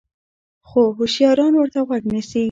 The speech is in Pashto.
خو هوشیاران ورته غوږ نیسي.